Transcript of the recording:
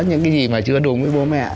những cái gì mà chưa đúng với bố mẹ